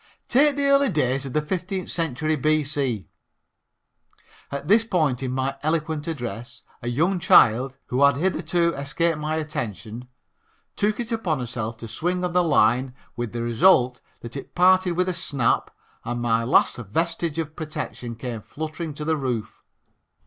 Take the early days of the fifteenth century B.C. " At this point in my eloquent address a young child, who had hitherto escaped my attention, took it upon herself to swing on the line with the result that it parted with a snap and my last vestige of protection came fluttering to the roof.